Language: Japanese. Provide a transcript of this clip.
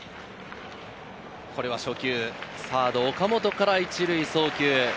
これは初球、サード・岡本から１塁送球。